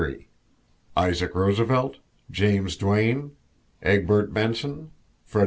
ISAAC ROOSEVELT JAS. DUANE EGBT. BENSON FRED.